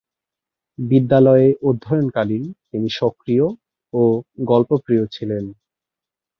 বিদ্যালয়ে অধ্যয়নকালীন তিনি সক্রিয় ও গল্পপ্রিয় ছিলেন।